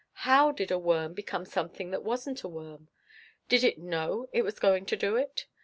How did a worm become something that wasn't a worm? Did it know it was going to do it?